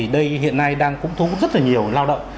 đây hiện nay đang cũng thú rất là nhiều lao động